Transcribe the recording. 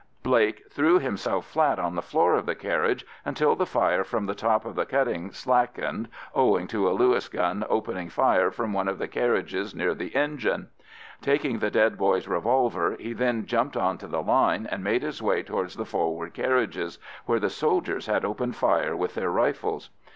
Blake threw himself flat on the floor of the carriage until the fire from the top of the cutting slackened owing to a Lewis gun opening fire from one of the carriages near the engine. Taking the dead boy's revolver, he then jumped on to the line, and made his way towards the forward carriages, where the soldiers had opened fire with their rifles.